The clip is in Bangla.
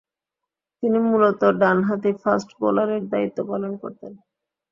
তিনি মূলতঃ ডানহাতি ফাস্ট বোলারের দায়িত্ব পালন করতেন।